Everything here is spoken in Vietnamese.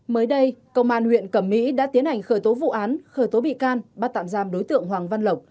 mới đây công an huyện cẩm mỹ đã tiến hành khởi tố vụ án khởi tố bị can bắt tạm giam đối tượng hoàng văn lộc